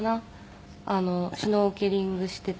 シュノーケリングしていて。